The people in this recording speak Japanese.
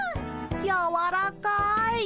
やわらかい。